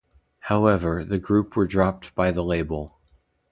However the group were dropped by the label.